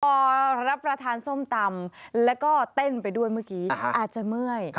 พอรับประทานส้มตำแล้วก็เต้นไปด้วยเมื่อกี้อาจจะเมื่อย